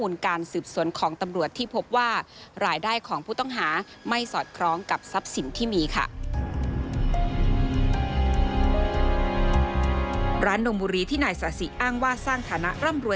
ร้านนมบุรีที่หน่ายสะสิอ้างว่าสร้างธาระมรัว